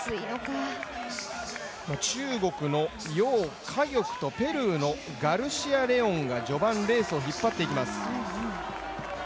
中国の楊家玉とペルーのガルシア・レオンが序盤レースを引っ張っていきます。